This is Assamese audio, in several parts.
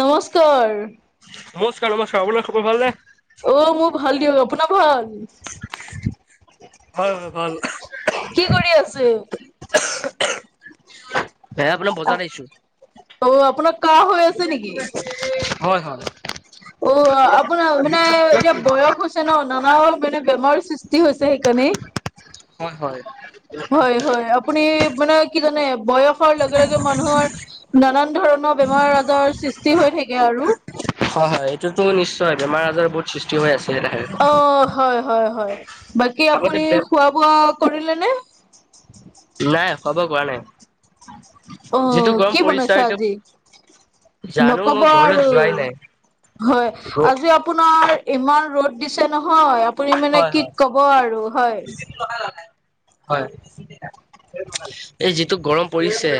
নমস্কাৰ। নমস্কাৰ - নমস্কাৰ আপোনাৰ খবৰ ভাল নে? অ, মোৰ ভাল দিয়ক আপোনাৰ ভাল? হয় - হয় ভাল। কি কৰি আছে? [unintelligible] হে আপোনাৰ বজাত আহিছো। অ, আপোনাক হয় - হয়। অ, আপোনাৰ মানে এতিয়া বয়স হৈছে ন নানা মানে বেমাৰ সৃষ্টি হৈছে সেইকাৰণে। হয় - হয়। হয় - হয় আপুনি মানে কি জানে বয়সৰ লগে - লগে মানুহৰ নানান ধৰণৰ বেমাৰ - আজৰ সৃষ্টি হৈ থাকে আৰু। হয় - হয় এইটোতো নিশ্চয় বেমাৰ - আজাৰ বহুত সৃষ্টি হৈ আছে তেখে অ, হয়-হয়-হয় বাকী আগতে আপুনি নাই খোৱা বোৱা কৰিলে নে? নাই খবৰ কোৱা নাই। অ, যিটো গৰম কি পৰিছে বনাইছা আৰু এইটো আজি? জানো মই নকবা ঘৰলৈ আৰু যোৱাই নাই হয় আজি আ আপোনাৰ ইমান ৰদ দিছে নহয় আপুনি মানে হয় কি হয় কব আৰু হয়। হয় এই যিটো গৰম পৰিছে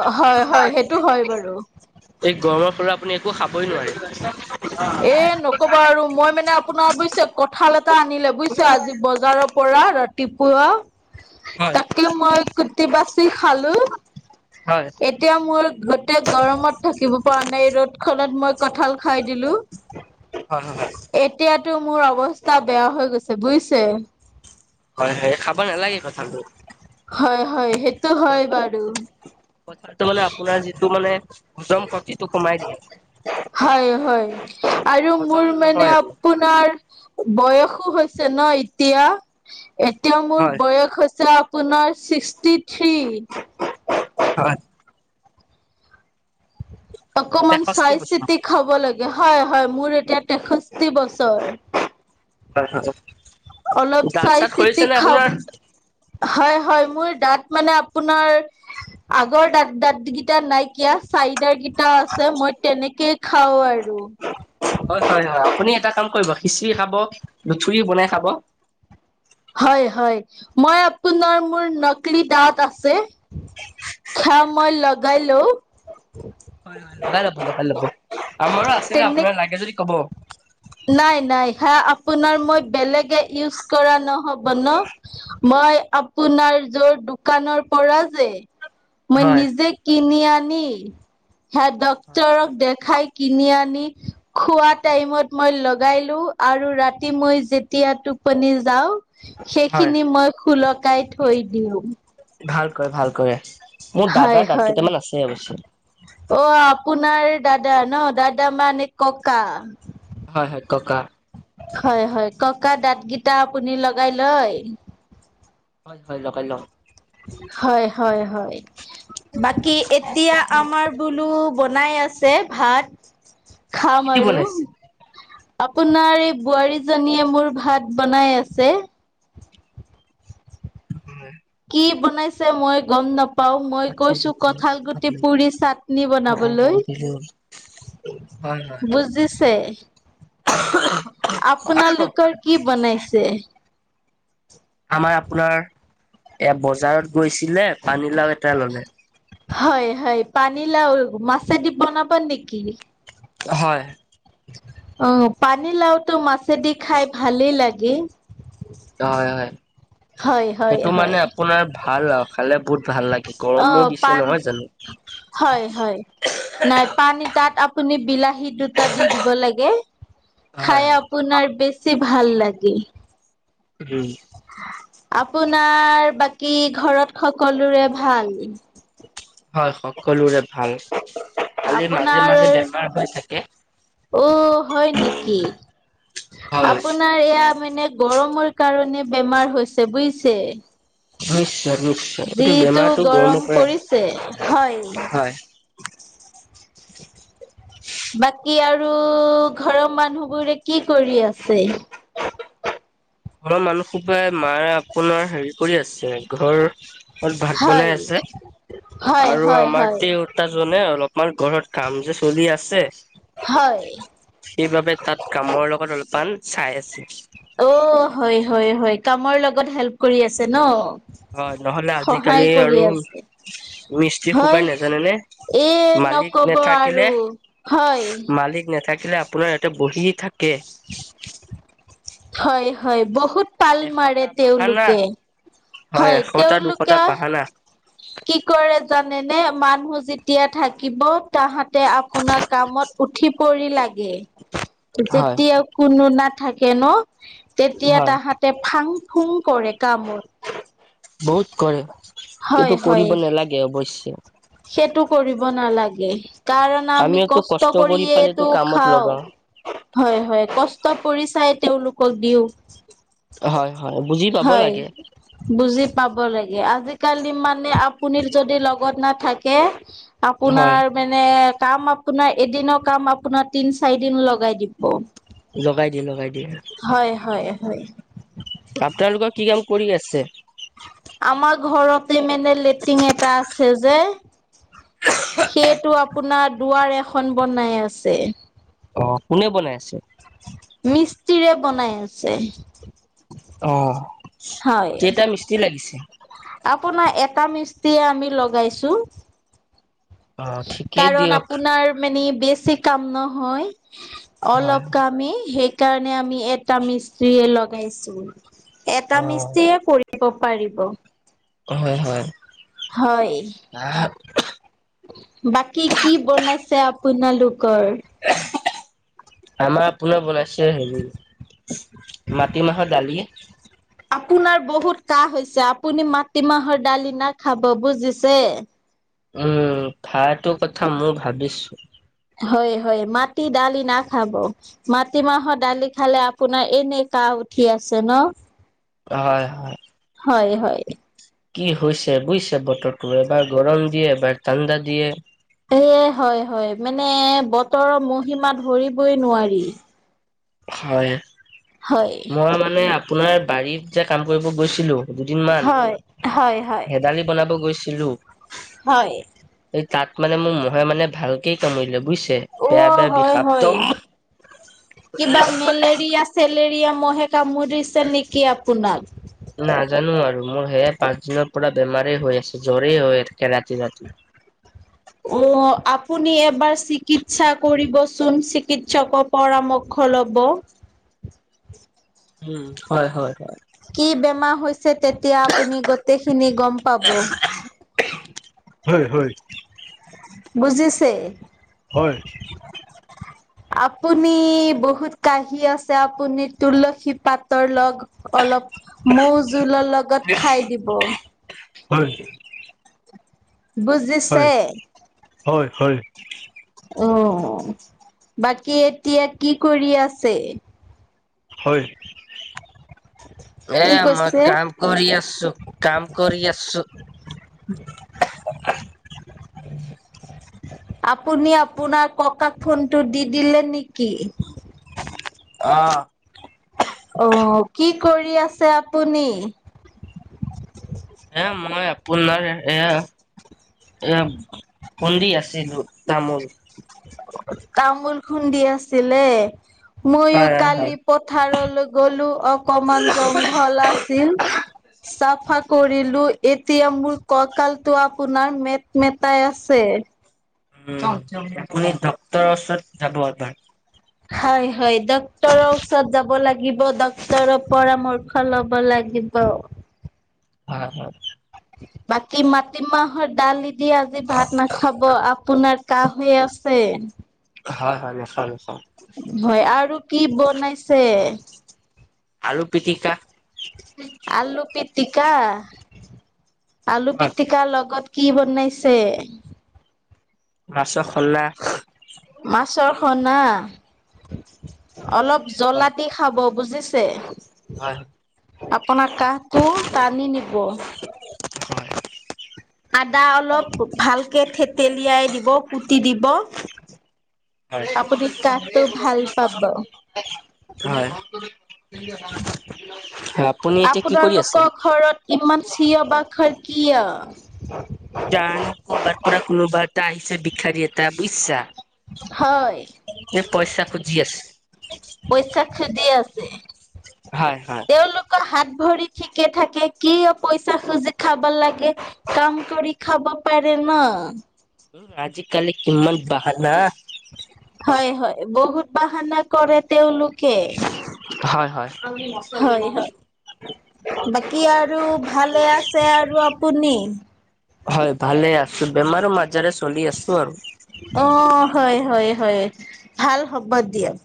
অ, হয়-হয় সেইটো হয় বাৰু। এই গৰমৰ ফলত আপুনি একো খাবই নোৱাৰে। এ নকবা আৰু মই মানে আপোনাৰ বুইছে কঁঠাল এটা আনিলে বুইছে আজি বজাৰৰ পৰা ৰা টিপুৱা হয় হয় তাকে মই কুটি বাচি খালো। হয়। এতিয়া মোৰ গোটেই গৰমত থাকিব পৰা নাই এই ৰ'দ খনত মই কঠাল খাই দিলো। হয় এতিয়াতো মোৰ অৱস্থা বেয়া হৈ গৈছে বুজিছে। হয়-হয় খাব নালাগে কঠালবোৰ। হয়-হয় সেইটো হয় বাৰু। কথটো মানে আপোনাৰ যিটো মানে হজম শক্তিটো কমাই দিয়ে হয়-হয় আৰু হজম মোৰ মানে নহয় এইটো আপোন আপোনাৰ বয়সো হৈছে ন এতিয়া। এতিয়া মোৰ হয় বয়স হৈছে আপোনাৰ ছিক্সটি থ্ৰী। হয়। অকমান তেষষ্ঠি চাই বছৰ চিতি খাব লাগে হয়, হয় মোৰ এতিয়া তেষষ্ঠি বছৰ। হয় হয়। অলপ দাঁত চাই চাত সৰিছে চিতি নে খাব। আপোনাৰ হয় হয় মোৰ দাঁত মানে আপোনাৰ আগৰ দাত - দাত গিটা নাইকিয়া চাইদাৰ গিটা আছে মই তেনেকে খাও আৰু। হয়-হয়-হয় আপুনি এটা কাম কৰিব খিচিৰি খাব, লুঠুৰি বনাই খাব। হয়-হয় মই আপোনাৰ মোৰ নকলি দাঁত আছে খ মই লগাই লও। হয় হয় লগাই লব লগাই লব আমাৰো আছিলে তেনে আপোনাৰ লাগে যদি কব। নাই নাই সে আপোনাৰ মই বেলেগে ইউজ কৰা নহব ন। মই আপোনাৰ যোৰ দোকানৰ পৰা যে মই হয় নিজে কিনি আনি সে ডক্তৰক দেখাই কিনি আনি খোৱা টাইমত মই লগাই লো আৰু ৰাতি মই যেতিয়া টোপনি যাওঁ হয় সেইখিনি মই খোলকাই থৈ দিও। ভাল কৰে, ভাল কৰে মোৰ হয় দাদাৰ দাত হয়। কেইটামান আছে অৱশ্যে। অ আপোনাৰ দাদা ন, দাদা মানে ককা। হয়, হয় ককা। হয়, হয় ককা দাঁত গিটা আপুনি লগাই লয়। হয়, হয় লগাই লও। হয় হয় হয় বাকী এতিয়া আমাৰ বোলো বনাই আছে ভাত খাম কি দি আৰু বনাইছে আপোনাৰ এই বোৱাৰী জনীয়ে মোৰ ভাত বনাই আছে। [unintelligible] কি বনাইছে মই গম নাপ- পাও মই কৈছো কঁঠাল গুটি পাচলি পুৰি চাটনি অ অ বনাবলৈ। গধূলি হ'ল হয় বুজিছে। হয় আপোনালোকৰ কি বনাইছে? আমাৰ আপোনাৰ এ বজাৰত গৈছিলে পানীলাও এটা ল'লে। হয়হয় পানী লাও মাছেদি বনাব নেকি? হয়। অ পানীলাওতো মাছেদি খাই ভালেই লাগে। হয় হয় হয় হয় সেইটো মানে হয় আপোনাৰ ভাল আও। খালে বহুত ভাল লাগে অ গৰমো দিছে পান নহয় জানো। হয় হয় নাই পানী তাত আপুনি বিলাহী দু- টা দি দিব লাগে হয় খাই হয় আপোনাৰ বেছি ভাল লাগে। উম। আপোনাৰ বাকী ঘৰত সকলোৰে ভাল? হয় সকলোৰে ভাল। খালি মাজে আপোনাৰ মাজে বেমাৰ হৈ থাকে। অ হয় নেকি? হয় আপোনাৰ এয়া মানে গৰমৰ কাৰণে বেমাৰ হৈছে বুইছে। [unintelligible] যিটো বেমাৰটো গৰম গৰমৰ পৰাই পৰিছে, হয়। [inaudible] হয়। বাকী আৰু ঘৰৰ মানুহ বোৰে কি কৰি আছে? ঘৰ মানুহ সোপাই মায়ে আপোনাৰ হেৰি কৰি আছে ঘৰ ভাত বনাই হয় আছে হয় আৰু হয় আমাৰ হয় তেওঁ তাজনে অলপমান ঘৰত কাম যে চলি আছে। হয়। সেইবাবে তাত কামৰ লগত অলপমান চাই আছে। অ হয় হয় হয় কামৰ লগত হেল্প কৰি আছে ন? হয় নহ'লে আজিকালি সহায় কৰি আৰু আছে মিস্ত্ৰী হয় সোপাই নেজানে নে। এ মালিক নকব নেথাকিলে আৰু হয় মালিক নেথাকিলে আপোনাৰ তে বহি থাকে। হয় হয় বহুত পাল মাৰে এশটা বাহানা তেওঁলোকে হয় এশটা দুশটা তেওঁলোকে বাহানা কি কৰে জানেনে মানুহ যেতিয়া থাকিব। তাহাঁতে আপোনাৰ কামত উঠি পৰি লাগে হয় যেতিয়াও কোনো নাথাকে ন তেতিয়া হয় তাহাঁতে ফাং-ফুং কৰে কামত বহুত কৰে হয় কিন্তু হয় কৰিব নালাগে অৱশ্যে সেইটো কৰিব নালাগে কাৰণ আমি আমিওতো কষ্ট কৰি পালেতো কৰিয়েটো কামত লগাও খাওঁ। হয় হয় কষ্ট পৰি চাই তেওঁলোকক দিওঁ হয় হয় বুজি পাব হয় লাগে। বুজি পাব লাগে আজিকালি মানে আপুনি যদি লগত না থাকে হয় আপোনাৰ মানে কাম আপোনাৰ এদিনৰ কাম আপোনাৰ তিন চাৰি দিন লগাই দিব। লগাই দিয়ে লগাই দিয়ে। হয় হয় হয়। আপোনালোকৰ কি কাম কৰি আছে? আমাৰ ঘৰতে মানে লেট্ৰিন এটা আছে যে, সেইটো আপোনাৰ দুৱাৰ এখন বনাই আছে। অ কোনে বনাই আছে? মিস্ত্ৰিৰে বনাই আছে। অ হয়। কেইটা মিস্ত্ৰী লাগিছে? আপোনাৰ এটা মিস্ত্ৰীয়ে আমি লগাইছো। অ ঠিকেই কাৰণ দিয়ক আপোনাৰ মানে বেচি কাম নহয় হয় অলপ হয় কামে সেই কাৰণে আমি এটা মিস্ত্ৰীয়ে লগাইছো, অ এটা মিস্ত্ৰীয়ে কৰি ৰিব পাৰিব। হয় হয়। হয়। [unintelligible] বাকি কি বনাইছে আপোনালোকৰ? আমাৰ আপোনাৰ বনাইছে হেৰি মাটি মাহৰ দালি, আপোনাৰ বহুত কাহ হৈছে, আপুনি মাটিমাহৰ দালি নাখাব বুজিছে। উম ভাটো কথা মই ভাবিছো। হয় হয় মাটি দালি নাখাব। মাটিমাহৰ দালি খালে আপোনাৰ এনে কাহ উঠি আছে ন হয় হয়। হয় হয় কি হৈছে বুইছে বতৰটো এবাৰ গৰম দিয়ে এবাৰ ঠাণ্ডা দিয়ে। এই হয় হয় মানে বতৰৰ মহিমা ধৰিবই নোৱাৰি। হয় হয়। মই মানে আপোনাৰ বাৰীত যে কাম কৰিব গৈছিলো, দুদিনমান হয় হয় হয়। হেদালি বনাব গৈছিলো। হয়। এই তাত মানে মোৰ মহে মানে ভালকে কামুৰিলে বুইছে বেয়া অ' বেয়া হয় হয়। বিষাক্ত কিবা মেলেৰিয়া চেলেৰিয়া মহে কামুৰিছে নেকি আপোনাক? নাজানো আৰু মোৰ সেয়াই পাঁচ দিনৰ পৰা বেমাৰ হৈ আছে জ্বৰেই হৈ থাকে ৰাতি ৰাতি। অ আপুনি এবাৰ চিকিৎসা কৰিবচোন চি চিকিৎসকৰ পৰামৰ্শ লব উম হয় হয় হয় কি বেমাৰ হৈছে তেতিয়া আপুনি গোটেখিনি গম পাব হয় হয় বুজিছে হয়, হয়, আপুনি বহুত কাহি আছে আপুনি তুলসী পাতৰ লগত অলপ মৌ জোলৰ লগত খাই দিব। হয়। বুজিছে? হয় হয়। অ বাকি এতিয়া কি কৰি আছে? হয়। কি এয়া মই কৈছে কাম কৰি আছো কাম কৰি আছো। উ [unintelligible] আপুনি আপোনাৰ ককাক ফোনটো দি দিলে নেকি? অ অ কি কৰি আছে আপুনি? এ মই আপোনাৰ এয়া এ খুন্দি আছিলো তামোল তামোল খুন্দি আছিলে মইয়ো হয়, হয়, হয়, কালি পথাৰলৈ গলো অকমান জংঘল আছিল চাফা কৰিলো এতিয়া মোৰ কঁকালটো আপোনাৰ মেট মেটাই আছে। আপুনি ডক্তৰৰ ওচৰত যাব এবাৰ। হয় হয় ডক্তৰ ওচৰত যাব লাগিব ড ক্তৰৰ পৰামৰ্শ লব লাগিব হয় হয় বাকী মাটিমাহৰ দালি দি আজি ভাত নাখাব আ পোনাৰ কাঁহ হৈ আছে হয় হয় নিশ্চয় নিশ্চয়। হয় আৰু কি বনাইছে? আলু পিটিকা। আলু পিটিকা আলু হয়, পিটিকাৰ লগত কি বনাইছে মাছৰ সনা মাছৰ সনা অলপ হয়, জলা দি খাব বুজি ছে হয়, আপোনাৰ কাঁহটো টানি নিব। হয়, আদা অলপ ভালকে থেতেলিয়াই দিব কুটি দিব হয়। আপুনি কাঁহটো ভাল পাব হয় হয় আ আপোনালোকৰ ঘৰত ইমান চিঞৰ বাখৰ কিয়? জানো কৰ'বাৰ পৰা কোনোবা এটা আহিছে ভিক্ষাৰী এটা বুজিছা হয় এ পইচা খোজি আছে। পইচা খুজি হয় হয় ক হাত ভৰি ঠিকে থাকে কিয় পইচা খুজি খাব লাগে? কাম কৰি খাব পাৰে ন। উম আজি কালি কিমান বাহানা। হয় হয় বহুত বাহানা কৰে তেওঁলোকে হয় হয় হয় বাকী আৰু ভালে আছে আৰু আপুনি হয় ভালে আছো বেমাৰৰ মাজাৰে চলি আছো আৰু অ হয় হয় হয় ভাল হ'ব দিয়ক